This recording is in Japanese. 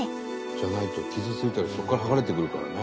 じゃないと傷ついたりそこから剥がれてくるからね。